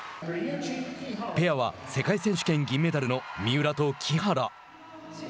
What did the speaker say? ペアは世界選手権銀メダルの三浦と木原。